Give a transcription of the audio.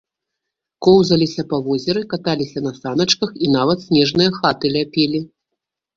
Коўзаліся па возеры, каталіся на саначках і нават снежныя хаты ляпілі.